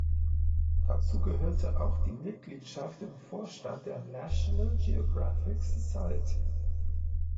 Dazu gehörte auch die Mitgliedschaft im Vorstand der National Geographic Society.